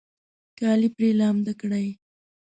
کالي پرې لامده کړئ